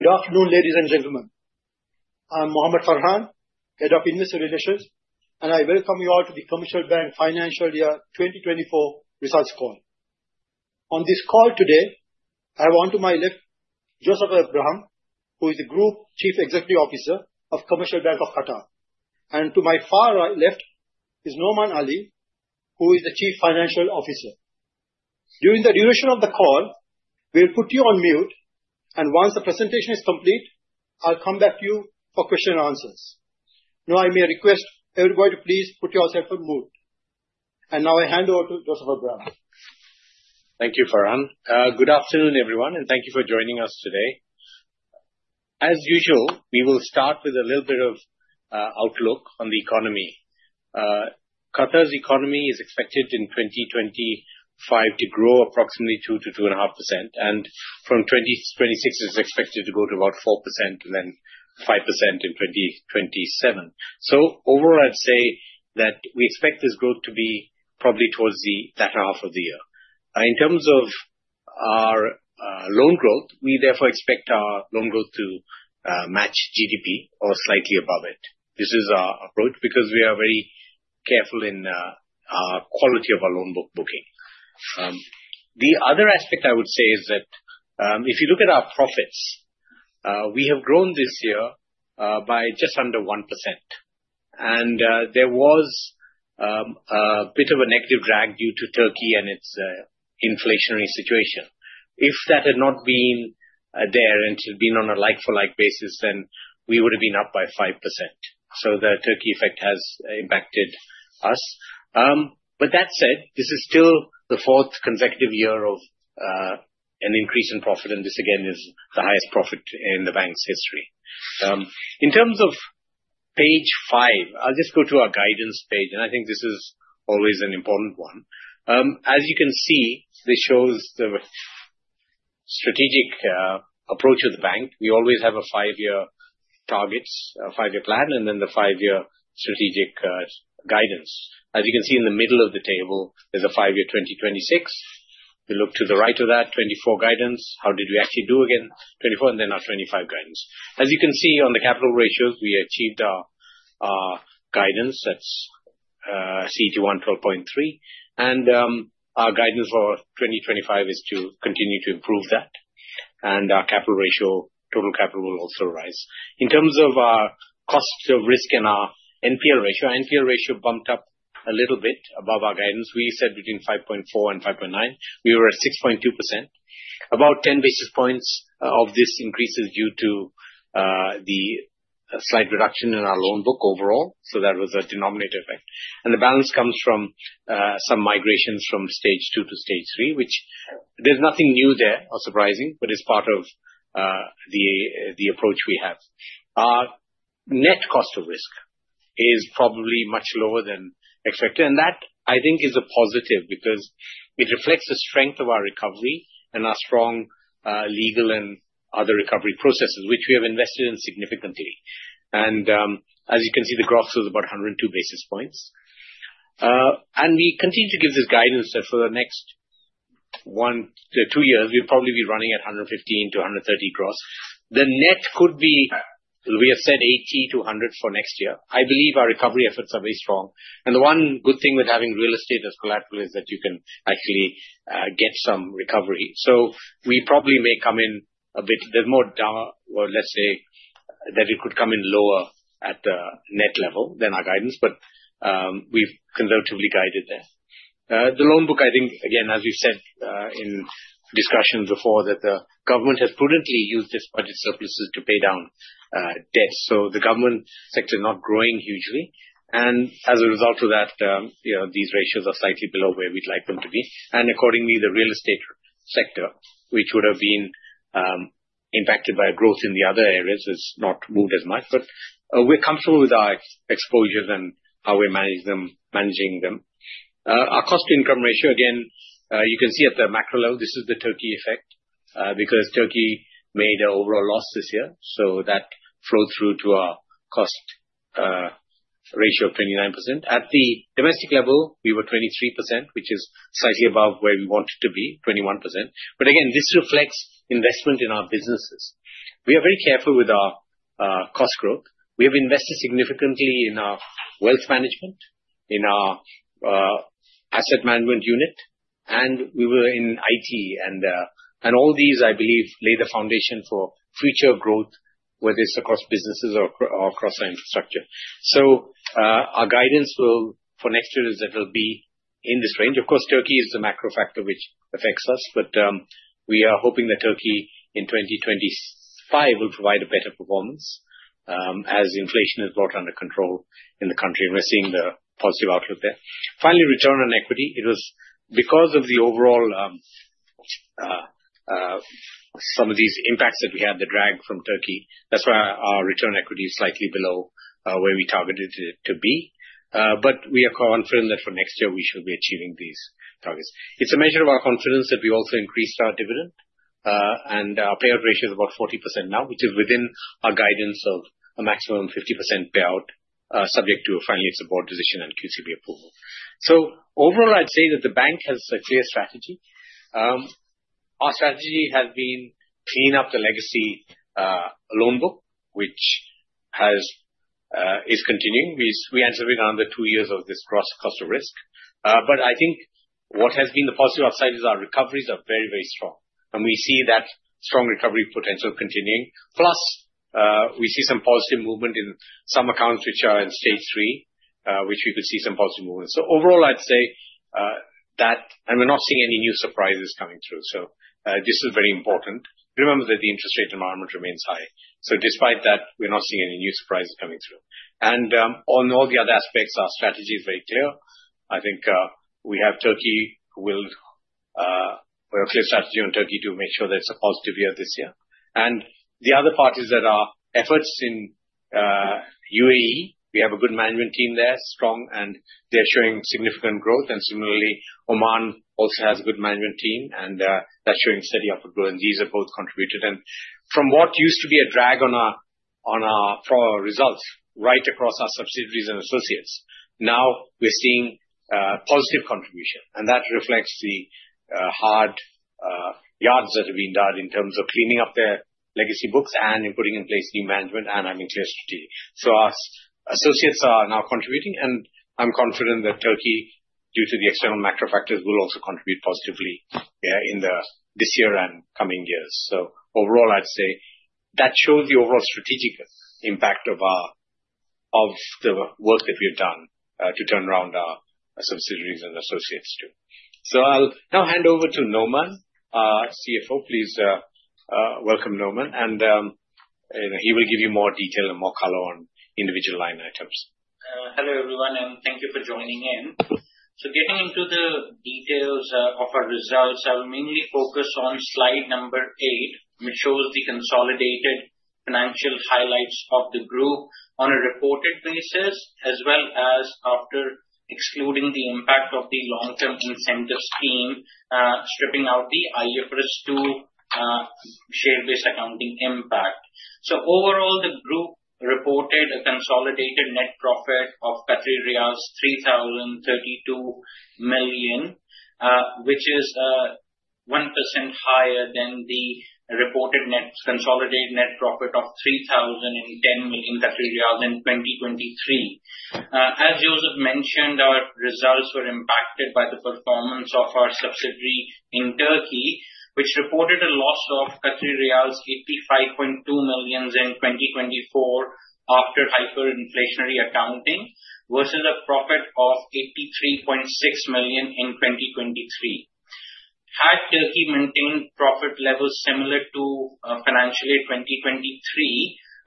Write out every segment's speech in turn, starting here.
Good afternoon, ladies and gentlemen. I'm Mohamed Farhan, Head of Investor Relations, and I welcome you all to the Commercial Bank Financial Year 2024 Results Call. On this call today, I have onto my left Joseph Abraham, who is the Group Chief Executive Officer of Commercial Bank of Qatar, and to my far left is Noman Ali, who is the Chief Financial Officer. During the duration of the call, we'll put you on mute, and once the presentation is complete, I'll come back to you for questions and answers. Now, I may request everybody to please put yourself on mute. And now, I hand over to Joseph Abraham. Thank you, Farhan. Good afternoon, everyone, and thank you for joining us today. As usual, we will start with a little bit of outlook on the economy. Qatar's economy is expected in 2025 to grow approximately 2%-2.5%, and from 2026, it's expected to go to about 4% and then 5% in 2027. So overall, I'd say that we expect this growth to be probably towards the latter half of the year. In terms of our loan growth, we therefore expect our loan growth to match GDP or slightly above it. This is our approach because we are very careful in our quality of our loan booking. The other aspect I would say is that if you look at our profits, we have grown this year by just under 1%, and there was a bit of a negative drag due to Turkey and its inflationary situation. If that had not been there and it had been on a like-for-like basis, then we would have been up by 5%. So the Turkey effect has impacted us. But that said, this is still the fourth consecutive year of an increase in profit, and this again is the highest profit in the bank's history. In terms of page five, I'll just go to our guidance page, and I think this is always an important one. As you can see, this shows the strategic approach of the bank. We always have a five-year target, a five-year plan, and then the five-year strategic guidance. As you can see in the middle of the table, there's a five-year 2026. We look to the right of that, 24 guidance. How did we actually do again? 24, and then our 25 guidance. As you can see on the capital ratios, we achieved our guidance. That's CET1 12.3%, and our guidance for 2025 is to continue to improve that, and our capital ratio, total capital, will also rise. In terms of our cost of risk and our NPL ratio, our NPL ratio bumped up a little bit above our guidance. We said between 5.4% and 5.9%. We were at 6.2%. About 10 basis points of this increase is due to the slight reduction in our loan book overall. So that was a denominator effect. And the balance comes from some migrations from Stage 2 to Stage 3, which there's nothing new there or surprising, but it's part of the approach we have. Our net cost of risk is probably much lower than expected, and that, I think, is a positive because it reflects the strength of our recovery and our strong legal and other recovery processes, which we have invested in significantly. As you can see, the growth is about 102 basis points. We continue to give this guidance that for the next one to two years, we'll probably be running at 115-130 basis points growth. The net could be, we have said, 80-100 basis points for next year. I believe our recovery efforts are very strong, and the one good thing with having real estate as collateral is that you can actually get some recovery. So we probably may come in a bit. There's more doubt or let's say that it could come in lower at the net level than our guidance, but we've conservatively guided there. The loan book, I think, again, as we've said in discussions before, that the government has prudently used its budget surpluses to pay down debt. The government sector is not growing hugely, and as a result of that, these ratios are slightly below where we'd like them to be. Accordingly, the real estate sector, which would have been impacted by growth in the other areas, has not moved as much, but we're comfortable with our exposures and how we're managing them. Our cost-to-income ratio, again, you can see at the macro level, this is the Turkey effect because Turkey made an overall loss this year. That flowed through to our cost ratio of 29%. At the domestic level, we were 23%, which is slightly above where we wanted to be, 21%. Again, this reflects investment in our businesses. We are very careful with our cost growth. We have invested significantly in our wealth management, in our asset management unit, and we were in IT, and all these, I believe, lay the foundation for future growth, whether it's across businesses or across our infrastructure. So our guidance for next year is that it'll be in this range. Of course, Turkey is the macro factor which affects us, but we are hoping that Turkey in 2025 will provide a better performance as inflation is brought under control in the country, and we're seeing the positive outlook there. Finally, return on equity. It was because of the overall some of these impacts that we had, the drag from Turkey. That's why our return on equity is slightly below where we targeted it to be. But we are confident that for next year, we should be achieving these targets. It's a measure of our confidence that we also increased our dividend, and our payout ratio is about 40% now, which is within our guidance of a maximum of 50% payout, subject to finally its award decision and QCB approval. So overall, I'd say that the bank has a clear strategy. Our strategy has been to clean up the legacy loan book, which is continuing. We anticipate another two years of this cost of risk. But I think what has been the positive upside is our recoveries are very, very strong, and we see that strong recovery potential continuing. Plus, we see some positive movement in some accounts which are in Stage 3, which we could see some positive movement. So overall, I'd say that, and we're not seeing any new surprises coming through. So this is very important. Remember that the interest rate environment remains high. Despite that, we're not seeing any new surprises coming through. And on all the other aspects, our strategy is very clear. I think we have a clear strategy on Turkey to make sure that it's a positive year this year. And the other part is that our efforts in UAE, we have a good management team there, strong, and they're showing significant growth. And similarly, Oman also has a good management team, and that's showing steady upward growth, and these have both contributed. And from what used to be a drag on our results right across our subsidiaries and associates, now we're seeing positive contribution, and that reflects the hard yards that have been done in terms of cleaning up their legacy books and in putting in place new management and having clear strategy. So our associates are now contributing, and I'm confident that Turkey, due to the external macro factors, will also contribute positively this year and coming years. So overall, I'd say that shows the overall strategic impact of the work that we have done to turn around our subsidiaries and associates too. So I'll now hand over to Noman, our CFO. Please welcome Noman, and he will give you more detail and more color on individual line items. Hello everyone, and thank you for joining in. Getting into the details of our results, I will mainly focus on slide 8, which shows the consolidated financial highlights of the group on a reported basis, as well as after excluding the impact of the long-term incentive scheme, stripping out the IFRS 2 share-based accounting impact. Overall, the group reported a consolidated net profit of 3,032 million, which is 1% higher than the reported consolidated net profit of 3,010 million in 2023. As Joseph mentioned, our results were impacted by the performance of our subsidiary in Turkey, which reported a loss of 85.2 million in 2024 after hyperinflationary accounting versus a profit of 83.6 million in 2023. Had Turkey maintained profit levels similar to financial year 2023,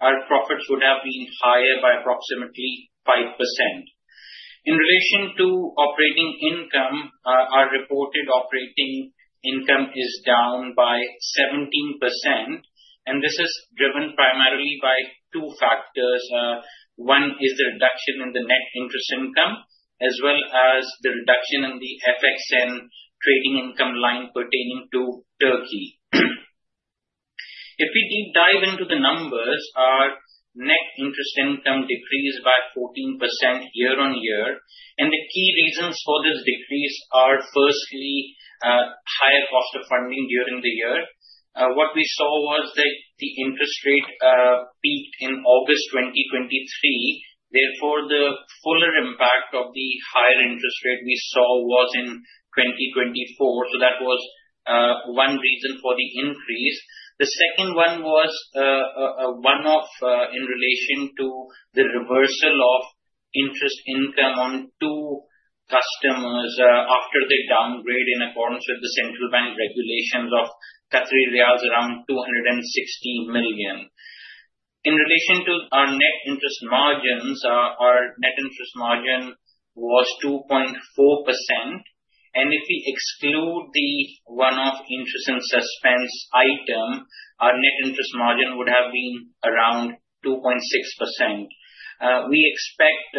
our profits would have been higher by approximately 5%. In relation to operating income, our reported operating income is down by 17%, and this is driven primarily by two factors. One is the reduction in the net interest income, as well as the reduction in the FX and trading income line pertaining to Turkey. If we deep dive into the numbers, our net interest income decreased by 14% year-on-year, and the key reasons for this decrease are firstly higher cost of funding during the year. What we saw was that the interest rate peaked in August 2023. Therefore, the fuller impact of the higher interest rate we saw was in 2024. So that was one reason for the increase. The second one was one in relation to the reversal of interest income on two customers after the downgrade in accordance with the central bank regulations of 260 million Qatari riyals. In relation to our net interest margins, our net interest margin was 2.4%, and if we exclude the one-off interest in suspense item, our net interest margin would have been around 2.6%. We expect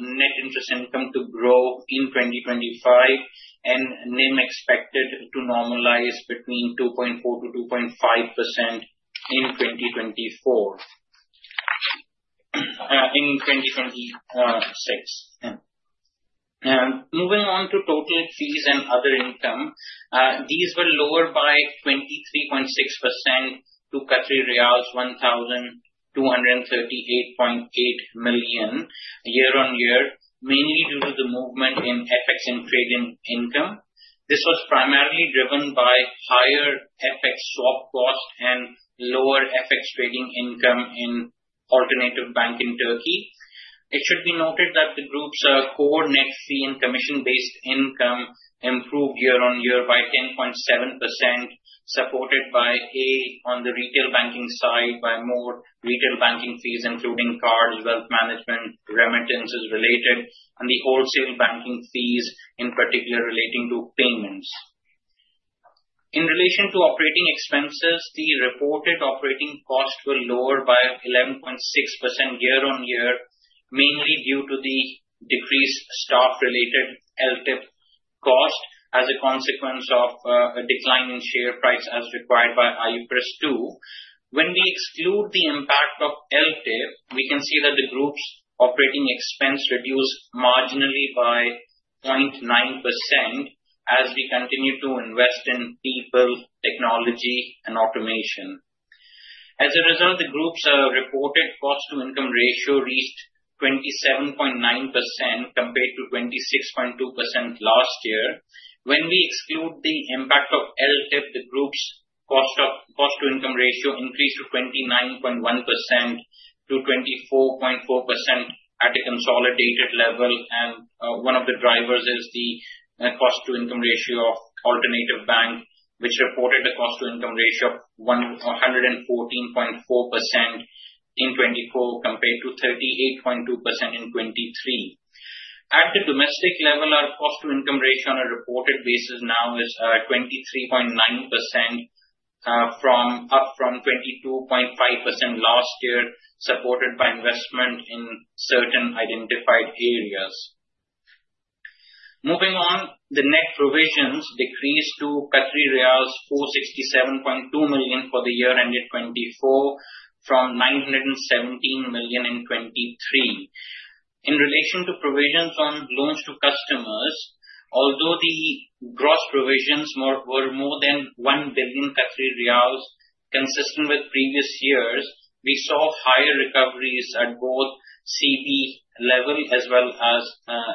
net interest income to grow in 2025 and NIM expected to normalize between 2.4%-2.5% in 2026. Moving on to total fees and other income, these were lower by 23.6% to QAR 1,238.8 million year-on-year, mainly due to the movement in FX trading income. This was primarily driven by higher FX swap cost and lower FX trading income in Alternatif Bank in Turkey. It should be noted that the group's core net fee and commission-based income improved year-on-year by 10.7%, supported by a, on the retail banking side by more retail banking fees, including cards, wealth management, remittances related, and the wholesale banking fees, in particular relating to payments. In relation to operating expenses, the reported operating costs were lower by 11.6% year-on-year, mainly due to the decreased staff-related LTIF cost as a consequence of a decline in share price as required by IFRS 2. When we exclude the impact of LTIF, we can see that the group's operating expense reduced marginally by 0.9% as we continue to invest in people, technology, and automation. As a result, the group's reported cost-to-income ratio reached 27.9% compared to 26.2% last year. When we exclude the impact of LTIF, the group's cost-to-income ratio increased to 29.1%-24.4% at a consolidated level, and one of the drivers is the cost-to-income ratio of Alternatif Bank, which reported a cost-to-income ratio of 114.4% in 2024 compared to 38.2% in 2023. At the domestic level, our cost-to-income ratio on a reported basis now is 23.9%, up from 22.5% last year, supported by investment in certain identified areas. Moving on, the net provisions decreased to 467.2 million for the year ended 2024 from 917 million in 2023. In relation to provisions on loans to customers, although the gross provisions were more than 1 billion Qatari riyals consistent with previous years, we saw higher recoveries at both CB level as well as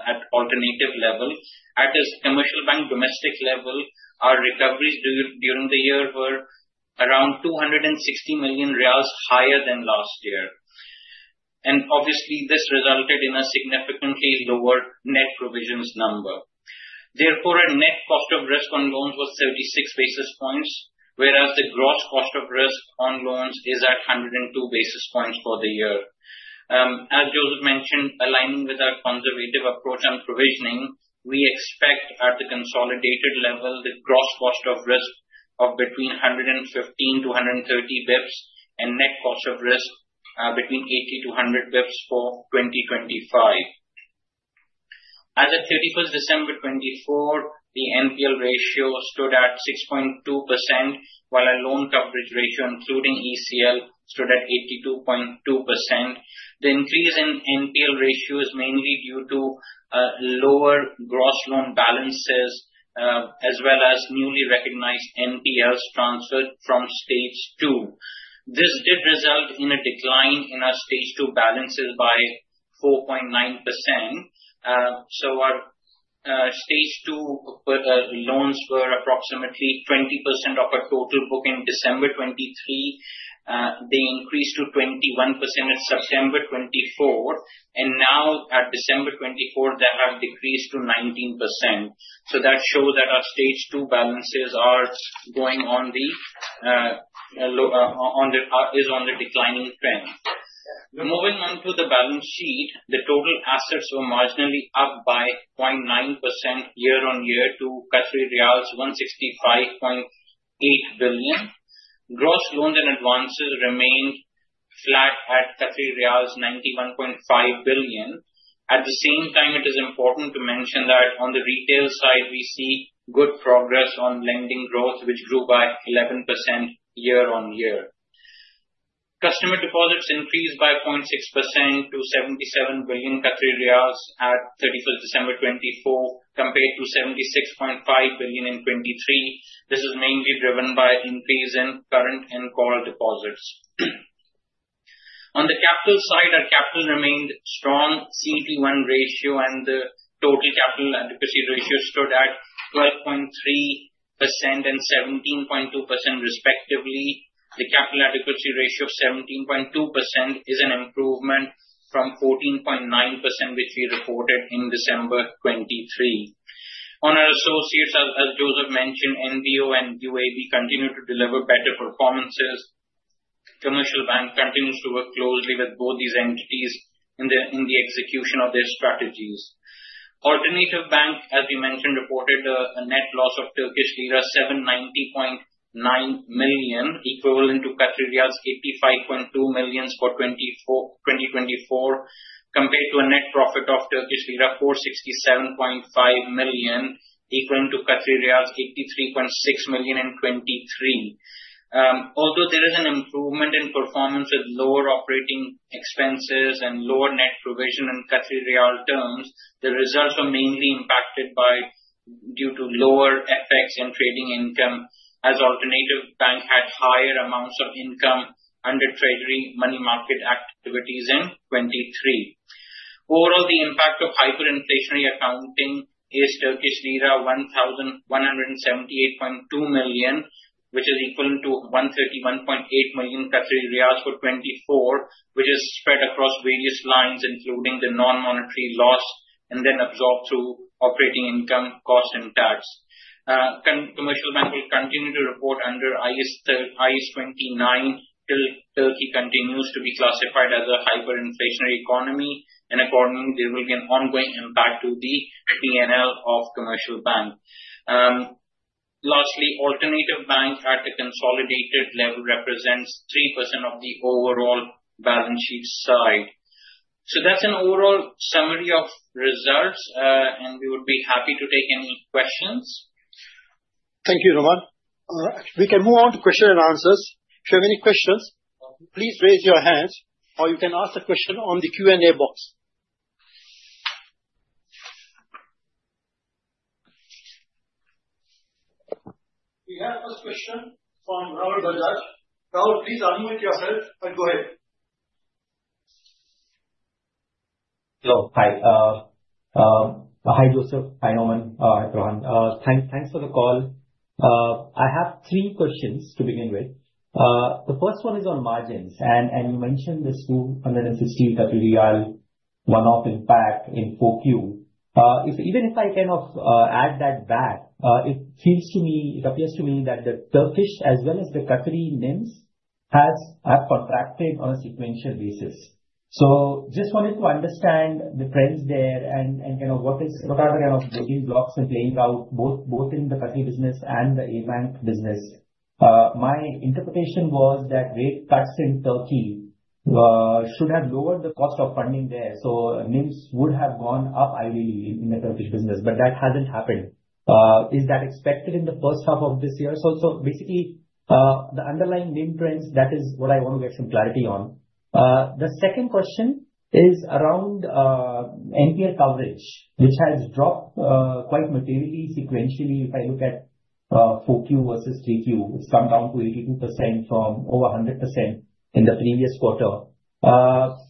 at Alternatif level. At a Commercial Bank domestic level, our recoveries during the year were around 260 million riyals higher than last year, and obviously, this resulted in a significantly lower net provisions number. Therefore, our net cost of risk on loans was 36 basis points, whereas the gross cost of risk on loans is at 102 basis points for the year. As Joseph mentioned, aligning with our conservative approach on provisioning, we expect at the consolidated level, the gross cost of risk of between 115-130 basis points and net cost of risk between 80-100 basis points for 2025. As of 31st December 2024, the NPL ratio stood at 6.2%, while our loan coverage ratio, including ECL, stood at 82.2%. The increase in NPL ratio is mainly due to lower gross loan balances as well as newly recognized NPLs transferred from Stage 2. This did result in a decline in our Stage 2 balances by 4.9%. So our Stage 2 loans were approximately 20% of our total book in December 2023. They increased to 21% in September 2024, and now at December 2024, they have decreased to 19%. So that shows that our Stage 2 balances are on the declining trend. Moving on to the balance sheet, the total assets were marginally up by 0.9% year-on-year to 165.8 billion. Gross loans and advances remained flat at 91.5 billion. At the same time, it is important to mention that on the retail side, we see good progress on lending growth, which grew by 11% year-on-year. Customer deposits increased by 0.6% to 77 billion Qatari riyals at 31st December 2024 compared to 76.5 billion in 2023. This is mainly driven by increase in current and core deposits. On the capital side, our capital remained strong. CET1 ratio and the total capital adequacy ratio stood at 12.3% and 17.2%, respectively. The capital adequacy ratio of 17.2% is an improvement from 14.9%, which we reported in December 2023. On our associates, as Joseph mentioned, NBO and UAB continue to deliver better performances. Commercial Bank continues to work closely with both these entities in the execution of their strategies. Alternatif Bank, as we mentioned, reported a net loss of Turkish lira 790.9 million, equivalent to Qatari riyals 85.2 million for 2024, compared to a net profit of Turkish lira 467.5 million, equivalent to Qatari riyals 83.6 million in 2023. Although there is an improvement in performance with lower operating expenses and lower net provision in Qatari Riyal terms, the results are mainly impacted due to lower FX trading income, as Alternatif Bank had higher amounts of income under Treasury money market activities in 2023. Overall, the impact of hyperinflationary accounting is Turkish lira 1,178.2 million, which is equivalent to 131.8 million riyals for 2024, which is spread across various lines, including the non-monetary loss and then absorbed through operating income, cost, and tax. Commercial Bank will continue to report under IAS 29 till Turkey continues to be classified as a hyperinflationary economy, and accordingly, there will be an ongoing impact to the P&L of Commercial Bank. Lastly, Alternatif Bank at the consolidated level represents 3% of the overall balance sheet side. So that's an overall summary of results, and we would be happy to take any questions. Thank you, Noman. We can move on to question and answers. If you have any questions, please raise your hand, or you can ask a question on the Q&A box. We have a question from Rahul Bajaj. Rahul, please unmute yourself and go ahead. Hello. Hi. Hi, Joseph. Hi, Noman. Hi, Rahul. Thanks for the call. I have three questions to begin with. The first one is on margins, and you mentioned this QAR 260 million one-off impact in 4Q. Even if I kind of add that back, it feels to me, it appears to me that the Turkish as well as the Qatari NIMs have contracted on a sequential basis. So just wanted to understand the trends there and kind of what are the kind of building blocks and playing out both in the Qatari business and the ABANK business. My interpretation was that rate cuts in Turkey should have lowered the cost of funding there, so NIMs would have gone up ideally in the Turkish business, but that hasn't happened. Is that expected in the 1st half of this year? So basically, the underlying NIM trends, that is what I want to get some clarity on. The second question is around NPL coverage, which has dropped quite materially sequentially if I look at 4Q versus 3Q. It's come down to 82% from over 100% in the previous quarter.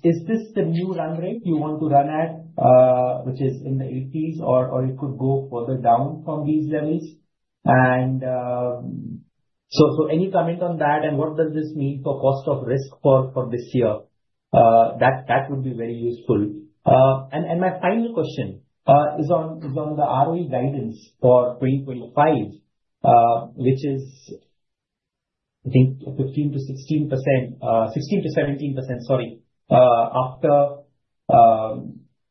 Is this the new run rate you want to run at, which is in the 80s, or it could go further down from these levels? And so any comment on that, and what does this mean for cost of risk for this year? That would be very useful. And my final question is on the ROE guidance for 2025, which is, I think, 15%-16%, 16%-17%, sorry, after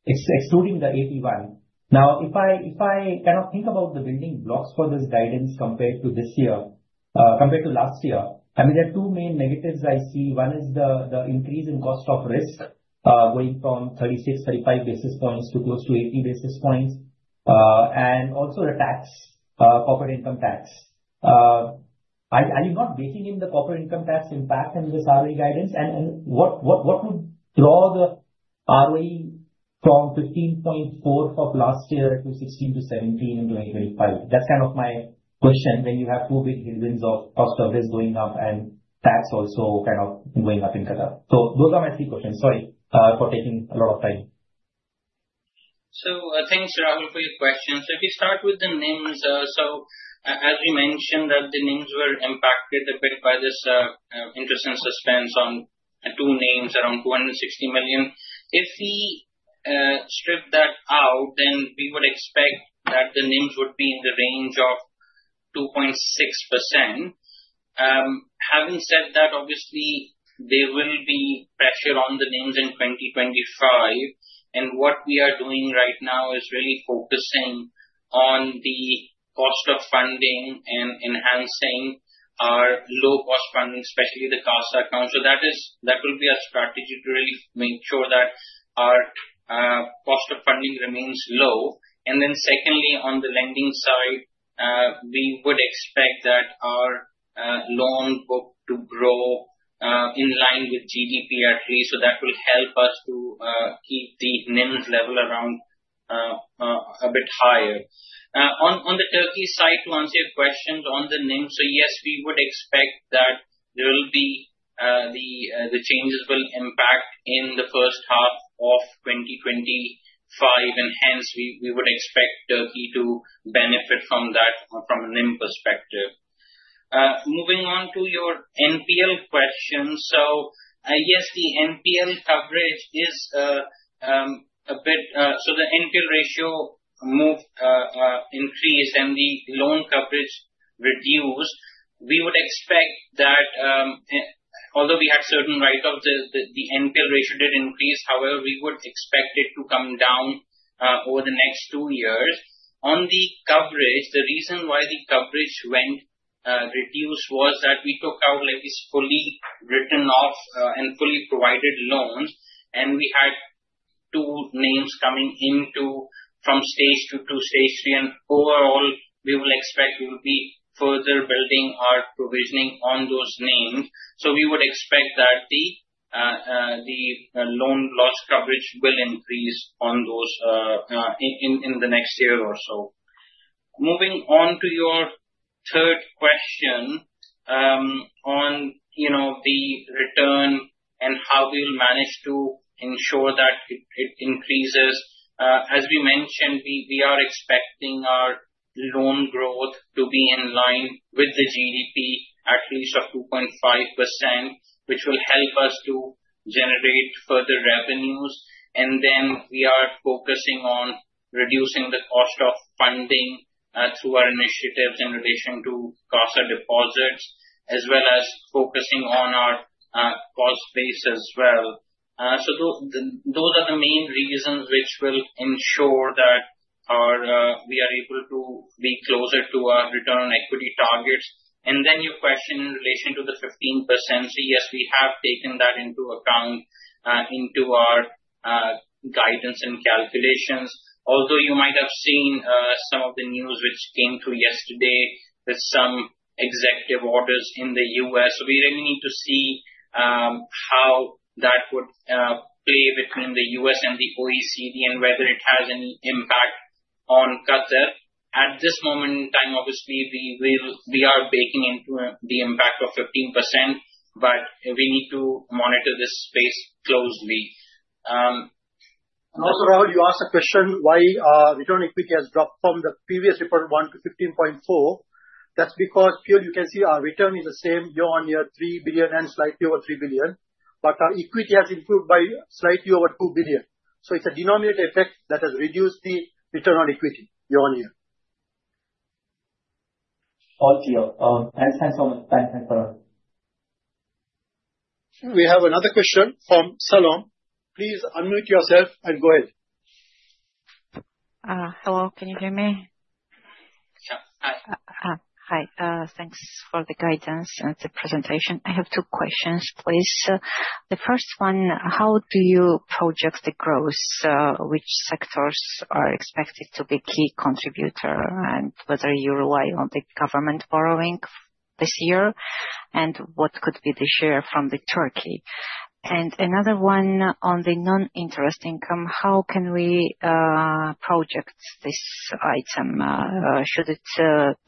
excluding the 81%. Now, if I kind of think about the building blocks for this guidance compared to this year, compared to last year, I mean, there are two main negatives I see. One is the increase in cost of risk going from 36-35 basis points to close to 80 basis points, and also the tax, corporate income tax. Are you not baking in the corporate income tax impact in this ROE guidance, and what would draw the ROE from 15.4% from last year to 16%-17% in 2025? That's kind of my question when you have two big headwinds of cost of risk going up and tax also kind of going up in Qatar. So those are my three questions. Sorry for taking a lot of time. So thanks, Rahul, for your question. So if you start with the NIMs, so as we mentioned that the NIMs were impacted a bit by this interest in suspense on NPLs around 260 million. If we strip that out, then we would expect that the NIMs would be in the range of 2.6%. Having said that, obviously, there will be pressure on the NIMs in 2025, and what we are doing right now is really focusing on the cost of funding and enhancing our low-cost funding, especially the CASA account. So that will be a strategy to really make sure that our cost of funding remains low. And then secondly, on the lending side, we would expect that our loan book to grow in line with GDP at least, so that will help us to keep the NIMs level around a bit higher. On the Turkey side, to answer your question on the NIMs, so yes, we would expect that the changes will impact in the 1st half of 2025, and hence, we would expect Turkey to benefit from that from a NIM perspective. Moving on to your NPL questions, so yes, the NPL coverage is a bit, so the NPL ratio increased and the loan coverage reduced. We would expect that although we had certain write-ups, the NPL ratio did increase. However, we would expect it to come down over the next two years. On the coverage, the reason why the coverage went reduced was that we took out fully written off and fully provided loans, and we had two NPLs coming in from Stage 2 to Stage 3. And overall, we will expect we will be further building our provisioning on those NPLs. So we would expect that the loan loss coverage will increase in the next year or so. Moving on to your third question on the return and how we will manage to ensure that it increases. As we mentioned, we are expecting our loan growth to be in line with the GDP at least of 2.5%, which will help us to generate further revenues. And then we are focusing on reducing the cost of funding through our initiatives in relation to CASA deposits, as well as focusing on our cost base as well. So those are the main reasons which will ensure that we are able to be closer to our return on equity targets. And then your question in relation to the 15%, so yes, we have taken that into account into our guidance and calculations. Although you might have seen some of the news which came through yesterday with some executive orders in the U.S., we really need to see how that would play between the U.S. and the OECD and whether it has any impact on Qatar. At this moment in time, obviously, we are baking into the impact of 15%, but we need to monitor this space closely. Also, Rahul, you asked a question why return on equity has dropped from the previous report of one to 15.4. That's because here, you can see our return is the same year-on-year, 3 billion and slightly over 3 billion, but our equity has improved by slightly over 2 billion. So it's a denominator effect that has reduced the return on equity year-on-year. All clear. Thanks, Rahul. Thanks, Farhan. We have another question from Salem. Please unmute yourself and go ahead. Hello. Can you hear me? Hi. Hi. Thanks for the guidance and the presentation. I have two questions, please. The first one, how do you project the growth? Which sectors are expected to be key contributor and whether you rely on the government borrowing this year and what could be the share from Turkey? And another one on the non-interest income, how can we project this item? Should it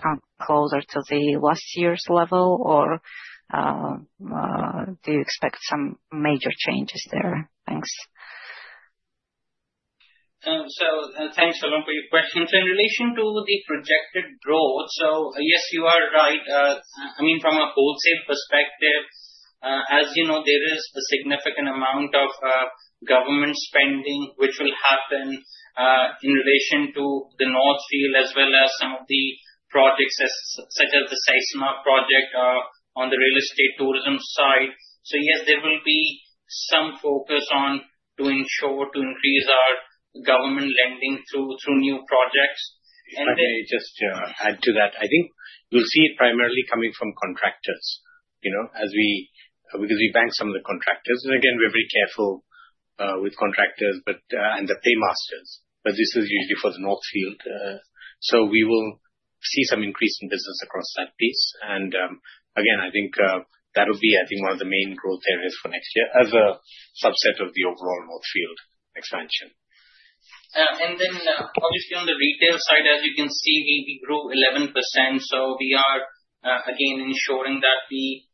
come closer to the last year's level, or do you expect some major changes there? Thanks. So thanks, Salom, for your question. So in relation to the projected growth, so yes, you are right. I mean, from a wholesale perspective, as you know, there is a significant amount of government spending which will happen in relation to the North Field as well as some of the projects such as the Simaisma project on the real estate tourism side. So yes, there will be some focus on to ensure to increase our government lending through new projects. I may just add to that. I think you'll see it primarily coming from contractors because we bank some of the contractors. And again, we're very careful with contractors and the paymasters, but this is usually for the North Field. So we will see some increase in business across that piece. And again, I think that'll be, I think, one of the main growth areas for next year as a subset of the overall North Field expansion. Then obviously on the retail side, as you can see, we grew 11%. So we are again ensuring that we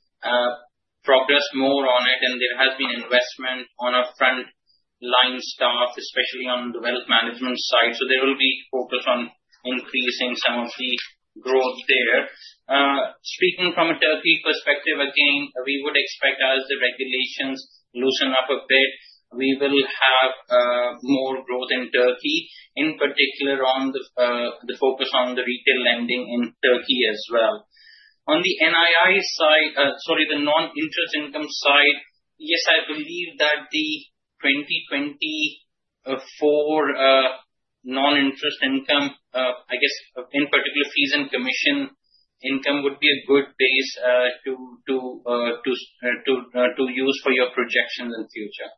progress more on it, and there has been investment on our frontline staff, especially on the wealth management side. So there will be focus on increasing some of the growth there. Speaking from a Turkey perspective, again, we would expect as the regulations loosen up a bit, we will have more growth in Turkey, in particular on the focus on the retail lending in Turkey as well. On the NII side, sorry, the non-interest income side, yes, I believe that the 2024 non-interest income, I guess in particular fees and commission income would be a good base to use for your projections in the future.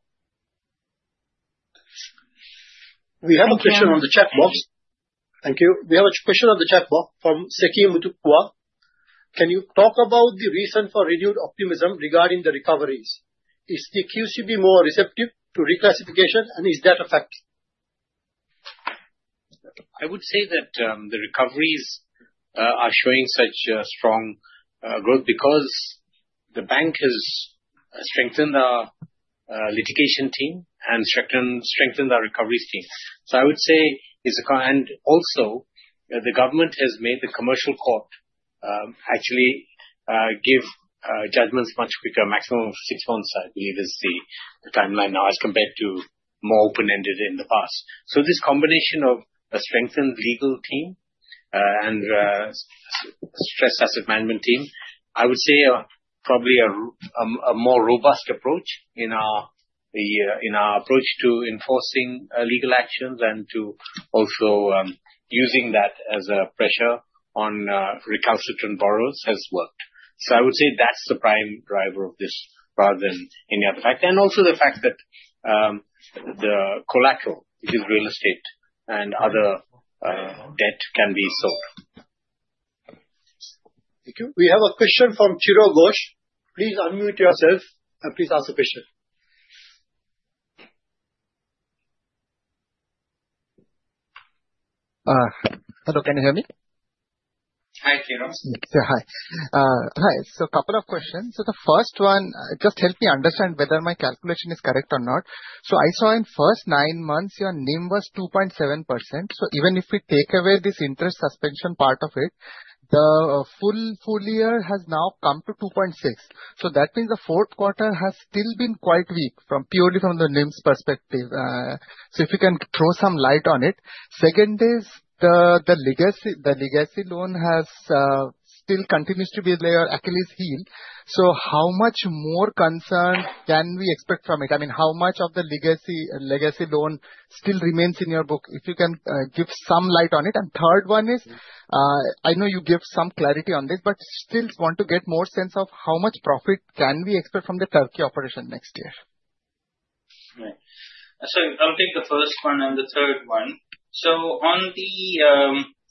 We have a question on the chat box. Thank you. We have a question on the chat box from Seki Mutukwa. Can you talk about the reason for renewed optimism regarding the recoveries? Is the QCB more receptive to reclassification, and is that a fact? I would say that the recoveries are showing such strong growth because the bank has strengthened our litigation team and strengthened our recoveries team, so I would say it's, and also, the government has made the commercial court actually give judgements much quicker, maximum of six months, I believe, is the timeline now as compared to more open-ended in the past, so this combination of a strengthened legal team and stressed asset management team, I would say probably a more robust approach in our approach to enforcing legal actions and to also using that as a pressure on recalcitrant borrowers has worked, so I would say that's the prime driver of this rather than any other fact, and also the fact that the collateral, which is real estate and other debt, can be sold. Thank you. We have a question from Chiro Ghosh. Please unmute yourself and please ask a question. Hello. Can you hear me? Hi, Chiro. Yeah, hi. Hi. So a couple of questions. So the first one, just help me understand whether my calculation is correct or not. So I saw in first nine months, your NIM was 2.7%. So even if we take away this interest in suspense part of it, the full year has now come to 2.6%. So that means the 4th quarter has still been quite weak purely from the NIM's perspective. So if you can throw some light on it. Second is the legacy loan still continues to be their Achilles heel. So how much more concern can we expect from it? I mean, how much of the legacy loan still remains in your book if you can give some light on it? Third one is, I know you give some clarity on this, but still want to get more sense of how much profit can we expect from the Turkey operation next year? Right. So I'll take the first one and the third one. So on the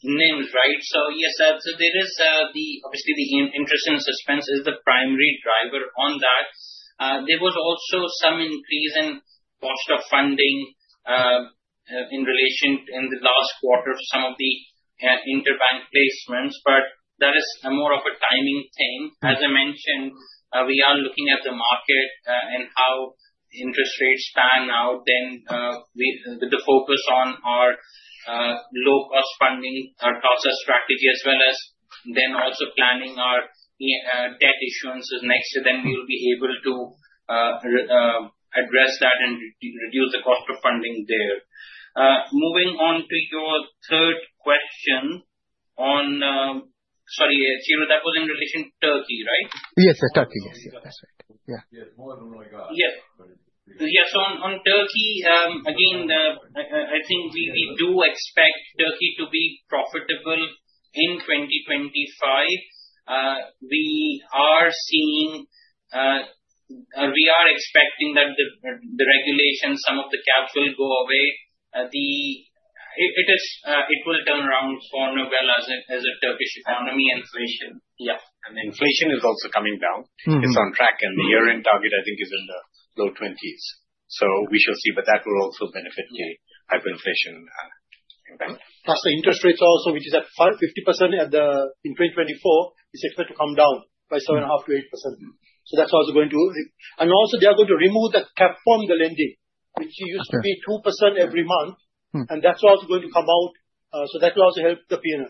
NIM, right? So yes, so there is obviously the interest in suspense is the primary driver on that. There was also some increase in cost of funding in relation to the last quarter for some of the interbank placements, but that is more of a timing thing. As I mentioned, we are looking at the market and how interest rates pan out, then with the focus on our low-cost funding, our CASA strategy, as well as then also planning our debt issuances next year, then we will be able to address that and reduce the cost of funding there. Moving on to your third question. Sorry, Chiro, that was in relation to Turkey, right? Yes, Turkey. Yes. That's right. Yeah. Yes. Yes. So on Turkey, again, I think we do expect Turkey to be profitable in 2025. We are seeing or we are expecting that the regulation, some of the caps will go away. It will turn around for the better as the Turkish economy inflation. Yeah, and inflation is also coming down. It's on track, and the year-end target, I think, is in the low 20s, so we shall see, but that will also benefit the hyperinflation impact. Plus the interest rates also, which is at 50% in 2024, is expected to come down by 7.5%-8%. So that's also going to and also, they are going to remove the cap from the lending, which used to be 2% every month. And that's also going to come out. So that will also help the P&L.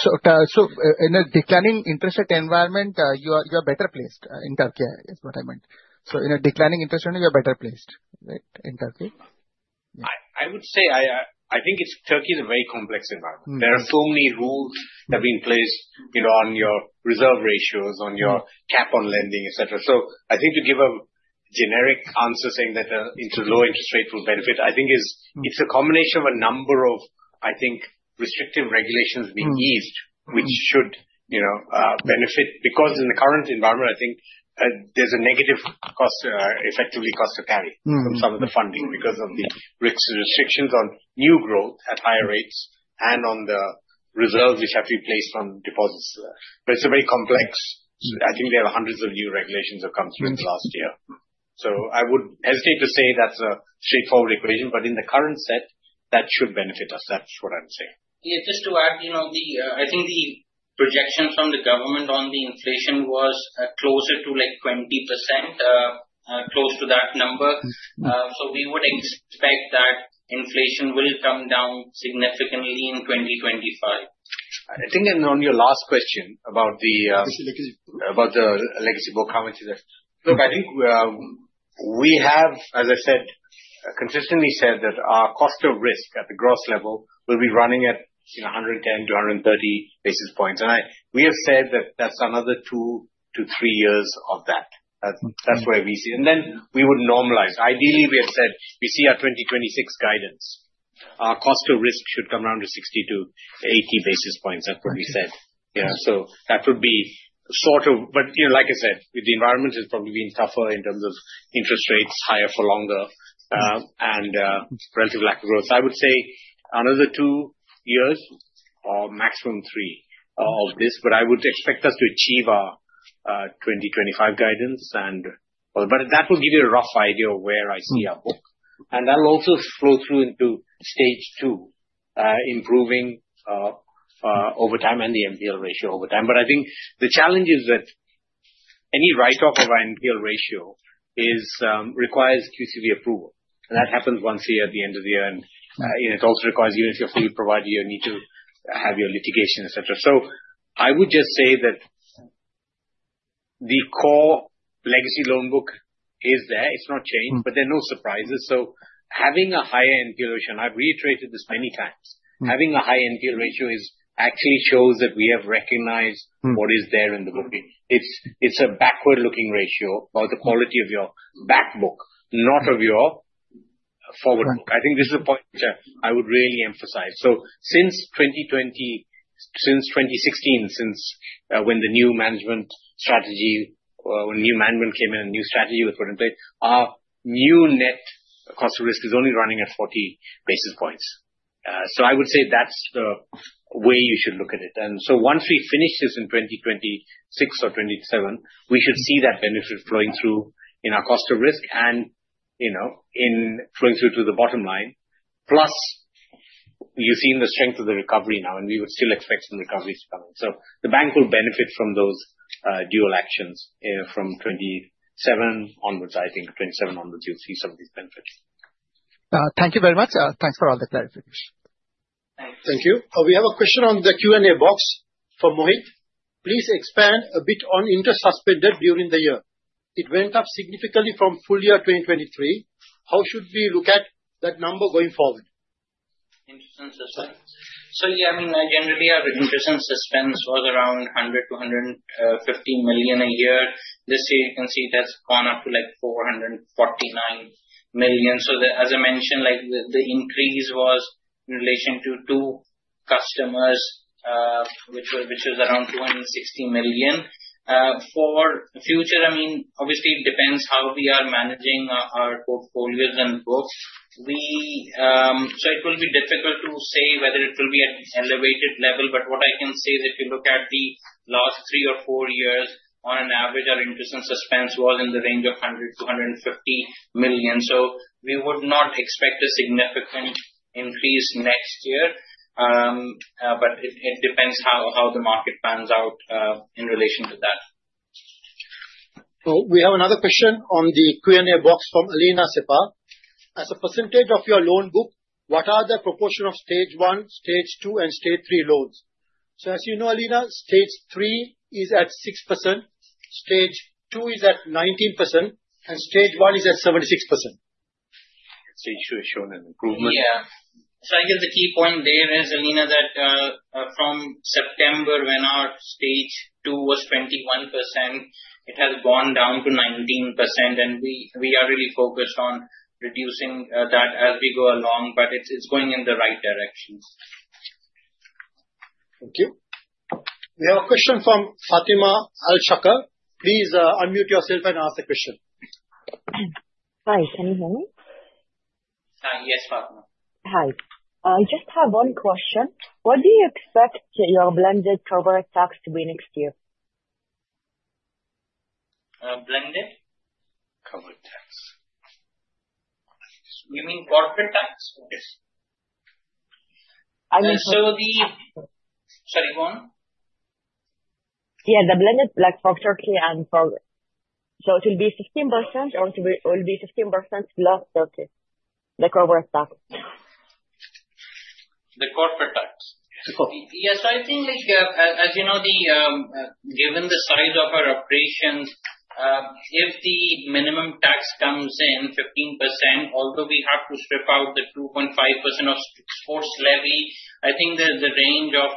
So in a declining interest rate environment, you are better placed in Turkey, is what I meant. So in a declining interest rate, you are better placed, right, in Turkey? I would say I think Turkey is a very complex environment. There are so many rules that have been placed on your reserve ratios, on your cap on lending, etc. So I think to give a generic answer saying that low interest rate will benefit, I think it's a combination of a number of, I think, restrictive regulations being eased, which should benefit because in the current environment, I think there's a negative cost, effectively cost of carry from some of the funding because of the restrictions on new growth at higher rates and on the reserves which have to be placed on deposits. But it's a very complex. I think there are hundreds of new regulations that have come through in the last year. So I would hesitate to say that's a straightforward equation, but in the current set, that should benefit us. That's what I'm saying. Yeah. Just to add, I think the projection from the government on the inflation was closer to like 20%, close to that number. So we would expect that inflation will come down significantly in 2025. I think, on your last question about the legacy book commentary there. Look, I think we have, as I said, consistently said that our cost of risk at the gross level will be running at 110-130 basis points, and we have said that that's another two to three years of that. That's where we see, and then we would normalize. Ideally, we have said we see our 2026 guidance; our cost of risk should come around to 60-80 basis points. That's what we said. Yeah, so that would be sort of, but like I said, the environment has probably been tougher in terms of interest rates higher for longer and relative lack of growth, so I would say another two years or maximum three of this, but I would expect us to achieve our 2025 guidance. But that will give you a rough idea of where I see our book. And that'll also flow through into Stage 2, improving over time and the NPL ratio over time. But I think the challenge is that any write-off of our NPL ratio requires QCB approval. And that happens once a year at the end of the year. And it also requires you, if you're a full recovery, you need to have your litigation, etc. So I would just say that the core legacy loan book is there. It's not changed, but there are no surprises. So having a higher NPL ratio, and I've reiterated this many times, having a high NPL ratio actually shows that we have recognized what is there in the book. It's a backward-looking ratio about the quality of your back book, not of your forward book. I think this is a point which I would really emphasize. So since 2016, since when the new management strategy or new management came in and new strategy was put in place, our new net cost of risk is only running at 40 basis points. So I would say that's the way you should look at it, and so once we finish this in 2026 or 2027, we should see that benefit flowing through in our cost of risk and flowing through to the bottom line. Plus, you've seen the strength of the recovery now, and we would still expect some recoveries to come. So the bank will benefit from those dual actions from 2027 onwards. I think 2027 onwards, you'll see some of these benefits. Thank you very much. Thanks for all the clarifications. Thanks. Thank you. We have a question on the Q&A box from Mohit. Please expand a bit on interest in suspense during the year. It went up significantly from full year 2023. How should we look at that number going forward? Interest in suspense. So yeah, I mean, generally, our interest in suspense was around 100 million-150 million a year. This year, you can see that's gone up to like 449 million. So as I mentioned, the increase was in relation to two customers, which was around 260 million. For future, I mean, obviously, it depends how we are managing our portfolios and books. So it will be difficult to say whether it will be at an elevated level. But what I can say is if you look at the last three or four years, on an average, our interest in suspense was in the range of 100 million-150 million. So we would not expect a significant increase next year, but it depends how the market pans out in relation to that. We have another question on the Q&A box from Elena Sapar. As a percentage of your loan book, what are the proportion of Stage 1, Stage 2, and Stage 3 loans? As you know, Elena, Stage 3 is at 6%, Stage 2 is at 19%, and Stage 1 is at 76%. Stage 2 has shown an improvement. Yeah. So I guess the key point there is, Elena, that from September when our Stage 2 was 21%, it has gone down to 19%. And we are really focused on reducing that as we go along, but it's going in the right direction. Thank you. We have a question from Fatima Al-Shakar. Please unmute yourself and ask the question. Hi. Can you hear me? Hi. Yes, Fatima. Hi. I just have one question. What do you expect your blended covered tax to be next year? Blended? Covered tax. You mean corporate tax? Okay. I mean. And so the, sorry, go on. Yeah. The blended tax for Turkey and for—so it will be 15% or it will be 15% plus Turkey, the covered tax? The corporate tax. Yes. So I think, as you know, given the size of our operations, if the minimum tax comes in 15%, although we have to strip out the 2.5% of exports levy, I think the range of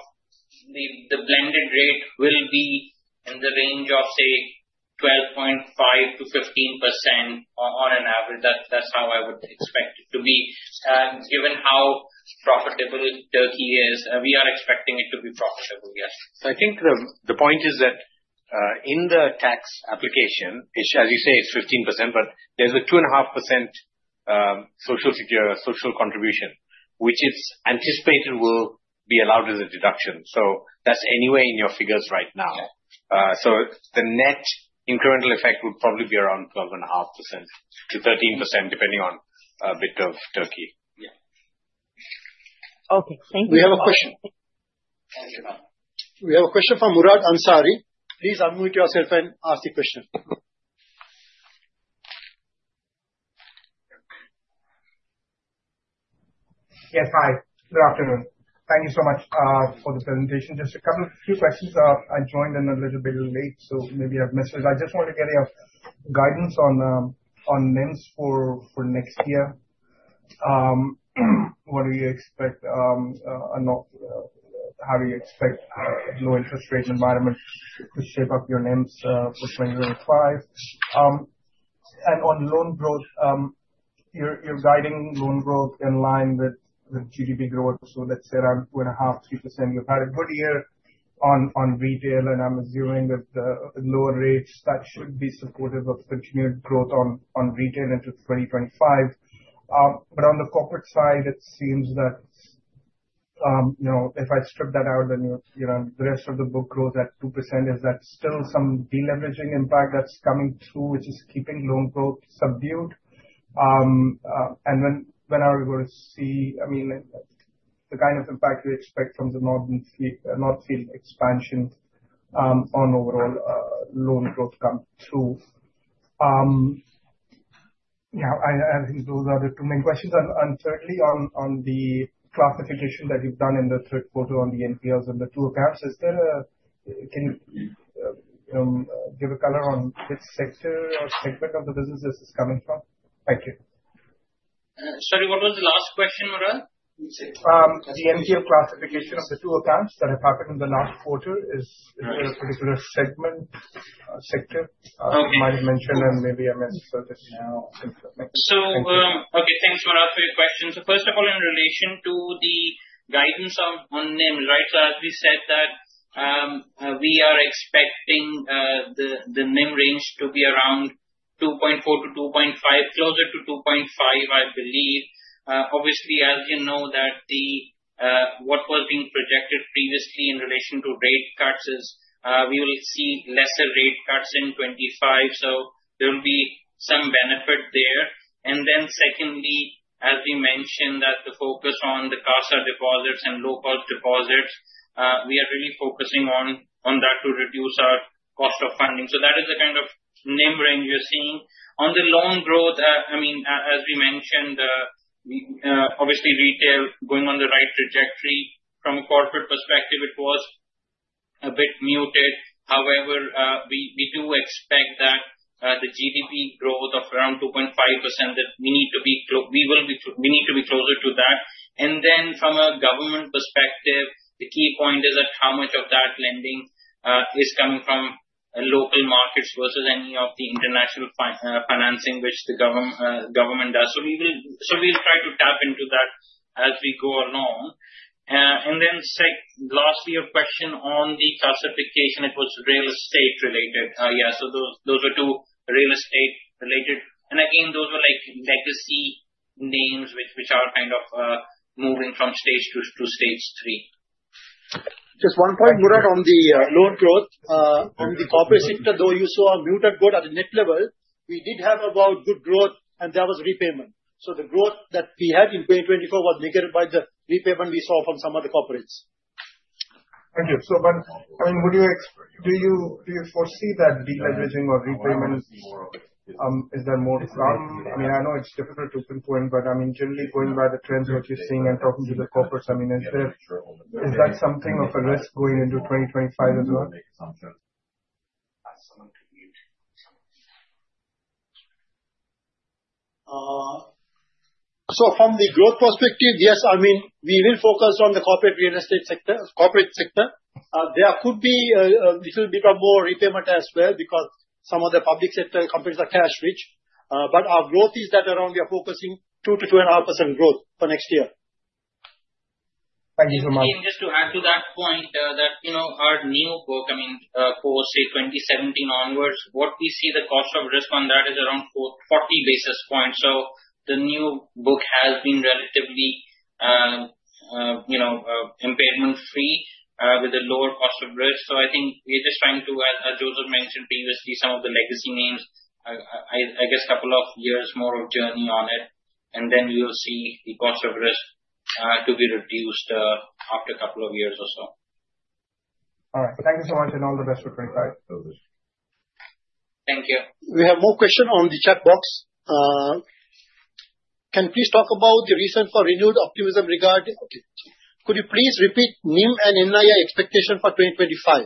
the blended rate will be in the range of, say, 12.5%-15% on an average. That's how I would expect it to be. Given how profitable Turkey is, we are expecting it to be profitable, yes. So I think the point is that in the tax application, as you say, it's 15%, but there's a 2.5% social contribution, which is anticipated will be allowed as a deduction. So that's already in your figures right now. So the net incremental effect would probably be around 12.5%-13%, depending on a bit of Turkey. Yeah. Okay. Thank you. We have a question. Thank you. We have a question from Murad Ansari. Please unmute yourself and ask the question. Yes. Hi. Good afternoon. Thank you so much for the presentation. Just a couple of few questions. I joined in a little bit late, so maybe I've missed it. I just wanted to get your guidance on NIMs for next year. What do you expect? How do you expect a low-interest rate environment to shape up your NIMs for 2025? And on loan growth, you're guiding loan growth in line with GDP growth. So let's say around 2.5%-3%. You've had a good year on retail, and I'm assuming with lower rates, that should be supportive of continued growth on retail into 2025. But on the corporate side, it seems that if I strip that out, then the rest of the book grows at 2%. Is that still some deleveraging impact that's coming through, which is keeping loan growth subdued? When are we going to see, I mean, the kind of impact you expect from the North Field expansion on overall loan growth come through? Yeah. I think those are the two main questions. Thirdly, on the classification that you've done in the 3rd quarter on the NPLs and the two accounts, can you give a color on which sector or segment of the business this is coming from? Thank you. Sorry, what was the last question, Murad? The NPL classification of the two accounts that have happened in the last quarter. Is there a particular segment, sector you might have mentioned, and maybe I missed it? Okay. Thanks, Murad, for your question. So first of all, in relation to the guidance on NIMs, right, so as we said that we are expecting the NIM range to be around 2.4%-2.5%, closer to 2.5%, I believe. Obviously, as you know, what was being projected previously in relation to rate cuts is we will see lesser rate cuts in 2025. So there will be some benefit there. And then secondly, as we mentioned, that the focus on the cost of deposits and low-cost deposits, we are really focusing on that to reduce our cost of funding. So that is the kind of NIM range you're seeing. On the loan growth, I mean, as we mentioned, obviously, retail going on the right trajectory. From a corporate perspective, it was a bit muted. However, we do expect that the GDP growth of around 2.5% that we need to be closer to that. And then from a government perspective, the key point is that how much of that lending is coming from local markets versus any of the international financing, which the government does. So we'll try to tap into that as we go along. And then lastly, your question on the classification, it was real estate related. Yeah. So those were two real estate related. And again, those were legacy names which are kind of moving from Stage 2 to Stage 3. Just one point, Murad, on the loan growth. On the corporate sector, though, you saw a muted growth at the net level. We did have about good growth, and there was repayment. So the growth that we had in 2024 was negated by the repayment we saw from some of the corporates. Thank you. But I mean, do you foresee that deleveraging or repayments? Is that more? I mean, I know it's difficult to pinpoint, but I mean, generally going by the trends that you're seeing and talking to the corporates, I mean, is that something of a risk going into 2025 as well? So from the growth perspective, yes. I mean, we will focus on the corporate real estate sector. There could be a little bit of more repayment as well because some of the public sector companies are cash-rich. But our growth is that around we are focusing 2%-2.5% growth for next year. Thank you so much. Just to add to that point, that our new book, I mean, for, say, 2017 onwards, what we see the cost of risk on that is around 40 basis points. So the new book has been relatively impediment-free with a lower cost of risk. So I think we're just trying to, as Joseph mentioned previously, some of the legacy names, I guess, a couple of years more of journey on it. And then you'll see the cost of risk to be reduced after a couple of years or so. All right. Thank you so much, and all the best for 2025. Thank you. We have more questions on the chat box. Could you please repeat NIM and NII expectation for 2025?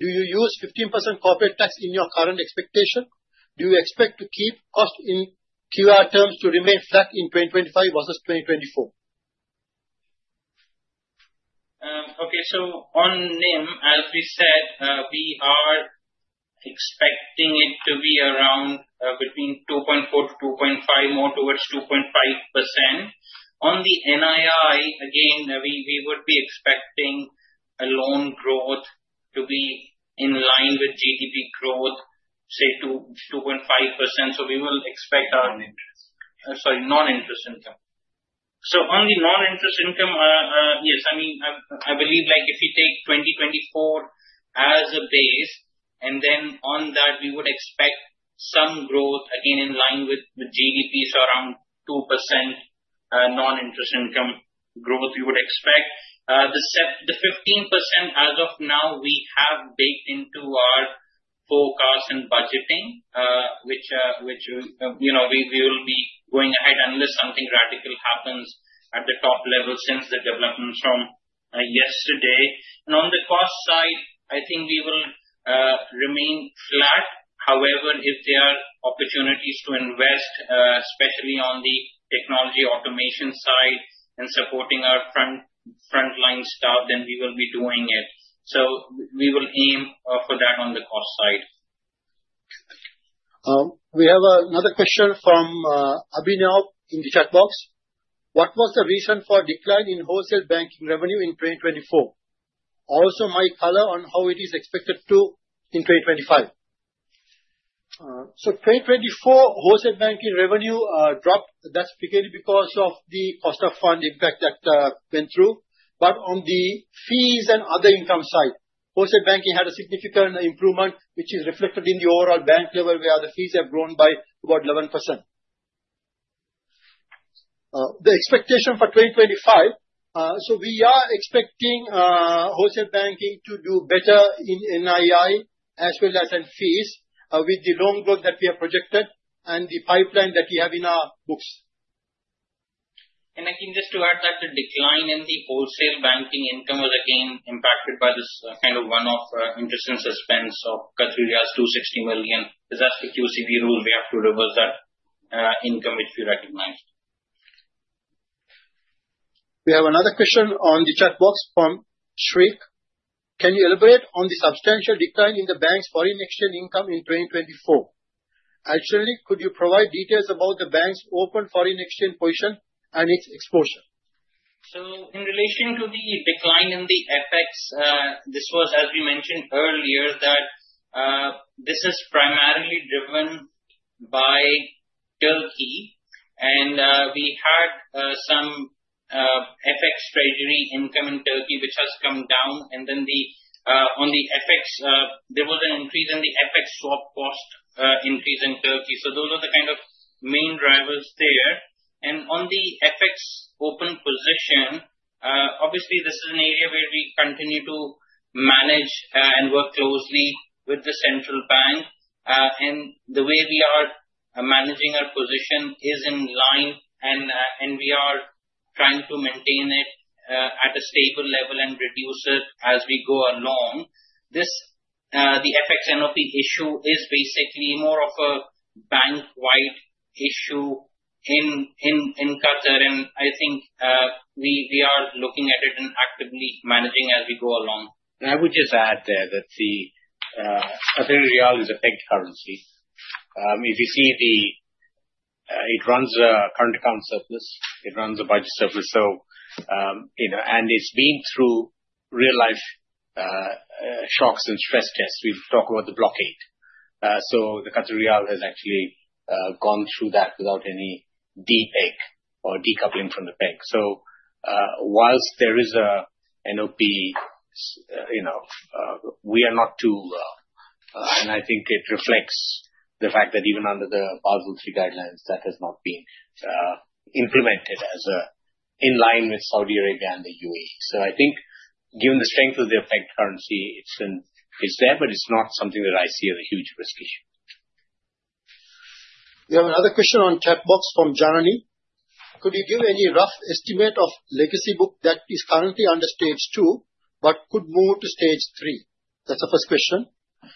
Do you use 15% corporate tax in your current expectation? Do you expect to keep cost in QR terms to remain flat in 2025 versus 2024? Okay. So on NIM, as we said, we are expecting it to be around between 2.4%-2.5%, more towards 2.5%. On the NII, again, we would be expecting a loan growth to be in line with GDP growth, say, to 2.5%. So we will expect our, sorry, non-interest income. So on the non-interest income, yes. I mean, I believe if you take 2024 as a base, and then on that, we would expect some growth, again, in line with GDP, so around 2% non-interest income growth we would expect. The 15% as of now, we have baked into our forecast and budgeting, which we will be going ahead unless something radical happens at the top level since the developments from yesterday. And on the cost side, I think we will remain flat. However, if there are opportunities to invest, especially on the technology automation side and supporting our frontline staff, then we will be doing it so we will aim for that on the cost side. We have another question from Abhinav in the chat box. What was the reason for decline in wholesale banking revenue in 2024? Also, my color on how it is expected to in 2025? So 2024, wholesale banking revenue dropped. That's particularly because of the cost of funds impact that went through. But on the fees and other income side, wholesale banking had a significant improvement, which is reflected in the overall bank level, where the fees have grown by about 11%. The expectation for 2025, so we are expecting wholesale banking to do better in NII as well as in fees with the loan growth that we have projected and the pipeline that we have in our books. I think just to add that the decline in the wholesale banking income was, again, impacted by this kind of one-off interest in suspense of 260 million. That's the QCB rule. We have to reverse that income, which we recognized. We have another question on the chat box from Shrariq. Can you elaborate on the substantial decline in the bank's foreign exchange income in 2024? Additionally, could you provide details about the bank's open foreign exchange position and its exposure? In relation to the decline in the FX, this was, as we mentioned earlier, that this is primarily driven by Turkey. And we had some FX treasury income in Turkey, which has come down. And then on the FX, there was an increase in the FX swap cost in Turkey. So those are the kind of main drivers there. And on the FX open position, obviously, this is an area where we continue to manage and work closely with the central bank. And the way we are managing our position is in line, and we are trying to maintain it at a stable level and reduce it as we go along. The FX NOP issue is basically more of a bank-wide issue in Qatar. And I think we are looking at it and actively managing as we go along. I would just add there that the Qatari Riyal is a pegged currency. If you see the, it runs a current account surplus. It runs a budget surplus. And it's been through real-life shocks and stress tests. We've talked about the blockade. So the Qatari Riyal has actually gone through that without any de-peg or decoupling from the peg. So whilst there is an NOP, we are not too worried. And I think it reflects the fact that even under the Basel III guidelines, that has not been implemented in line with Saudi Arabia and the UAE. So I think, given the strength of the pegged currency, it's there, but it's not something that I see as a huge risk issue. We have another question on chat box from Janani. Could you give any rough estimate of legacy book that is currently under Stage 2, but could move to Stage 3? That's the first question.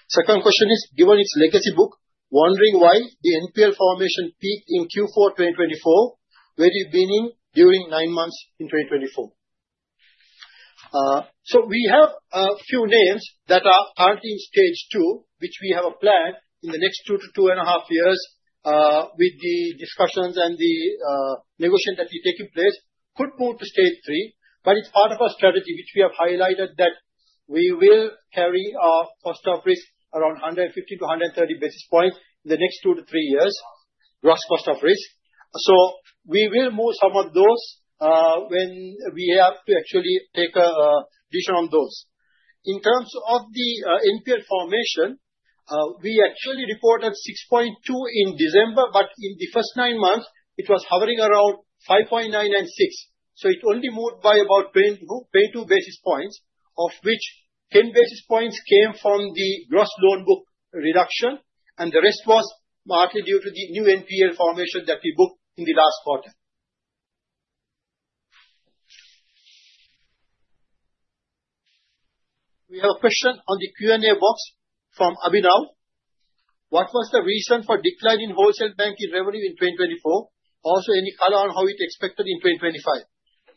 Second question is, given its legacy book, wondering why the NPL formation peaked in Q4 2024? Where do you mean during nine months in 2024? So we have a few names that are currently in Stage2, which we have a plan in the next two to two and a half years with the discussions and the negotiation that we take in place, could move to Stage 3. But it's part of our strategy, which we have highlighted, that we will carry our cost of risk around 150-130 basis points in the next two to three years, gross cost of risk. So we will move some of those when we have to actually take a decision on those. In terms of the NPL formation, we actually reported 6.2 in December, but in the first nine months, it was hovering around 5.9 and 6. So it only moved by about 22 basis points, of which 10 basis points came from the gross loan book reduction, and the rest was partly due to the new NPL formation that we booked in the last quarter. We have a question on the Q&A box from Abhinav. What was the reason for decline in wholesale banking revenue in 2024? Also, any color on how it's expected in 2025?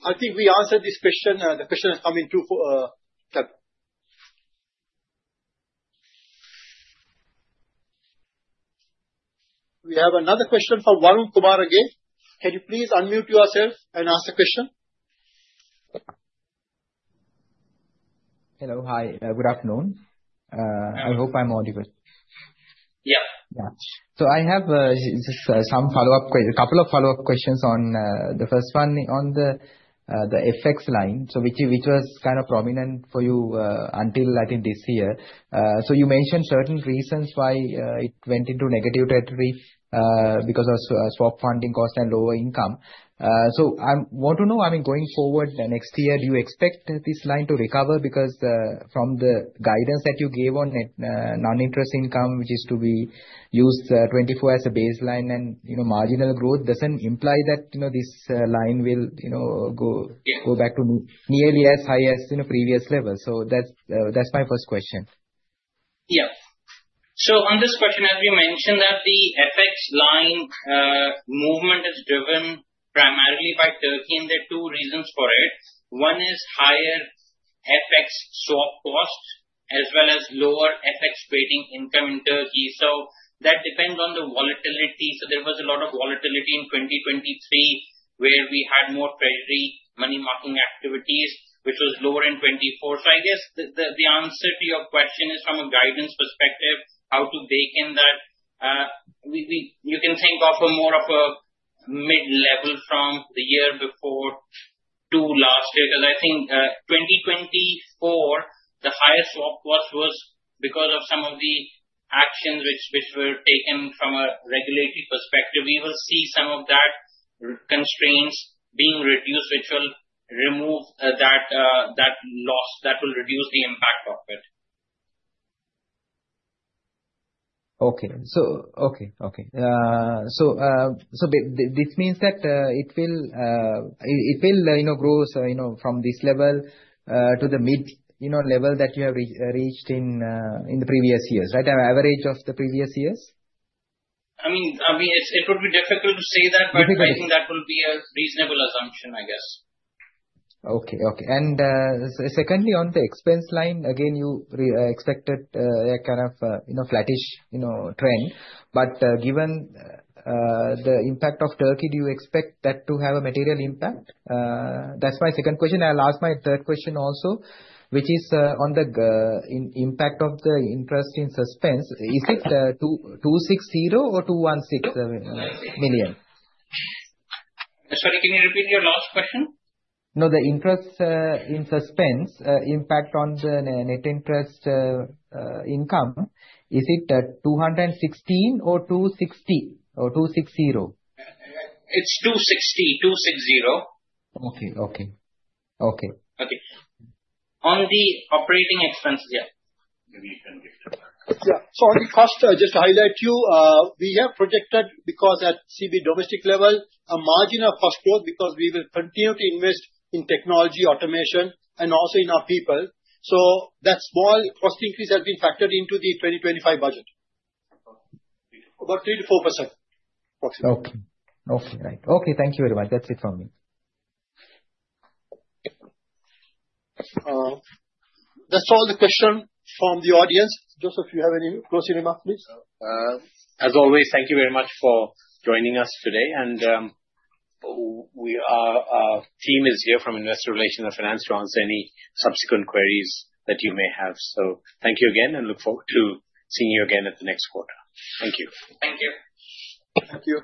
I think we answered this question. The question has come in through chat. We have another question from Varun Kumar again. Can you please unmute yourself and ask the question? Hello. Hi. Good afternoon. I hope I'm audible. Yeah. Yeah. So I have just some follow-up, a couple of follow-up questions on the first one on the FX line, which was kind of prominent for you until, I think, this year. So you mentioned certain reasons why it went into negative territory because of swap funding cost and lower income. So I want to know, I mean, going forward next year, do you expect this line to recover? Because from the guidance that you gave on non-interest income, which is to be used 2024 as a baseline, and marginal growth doesn't imply that this line will go back to nearly as high as previous levels. So that's my first question. Yeah. So on this question, as we mentioned, that the FX line movement is driven primarily by Turkey, and there are two reasons for it. One is higher FX swap cost as well as lower FX trading income in Turkey. So that depends on the volatility. So there was a lot of volatility in 2023 where we had more treasury money-making activities, which was lower in 2024. So I guess the answer to your question is, from a guidance perspective, how to bake in that? You can think of more of a mid-level from the year before to last year. Because I guess 2024, the highest swap cost was because of some of the actions which were taken from a regulatory perspective. We will see some of that constraints being reduced, which will remove that loss. That will reduce the impact of it. Okay. So this means that it will grow from this level to the mid-level that you have reached in the previous years, right? Average of the previous years? I mean, it would be difficult to say that, but I think that will be a reasonable assumption, I guess. Okay. Okay. And secondly, on the expense line, again, you expected a kind of flattish trend. But given the impact of Turkey, do you expect that to have a material impact? That's my second question. I'll ask my third question also, which is on the impact of the interest in suspense. Is it 260 million or 216 million? Sorry, can you repeat your last question? No, the interest in suspense impact on the net interest income, is it 216 million or 260 million or 2-6-0? It's 260, 2-6-0. Okay. Okay. Okay. Okay. On the operating expenses, yeah. Yeah. So on the cost, just to highlight you, we have projected because at CB domestic level, a margin of cost growth because we will continue to invest in technology automation and also in our people. So that small cost increase has been factored into the 2025 budget, about 3%-4% approximately. Okay. Okay. Right. Okay. Thank you very much. That's it from me. That's all the questions from the audience. Joseph, do you have any closing remarks, please? As always, thank you very much for joining us today. And our team is here from Investor Relations and Finance to answer any subsequent queries that you may have. So thank you again, and look forward to seeing you again at the next quarter. Thank you. Thank you. Thank you.